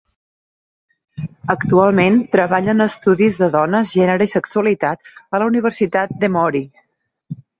Actualment treballa en Estudis de Dones, Gènere i Sexualitat a la Universitat d'Emory.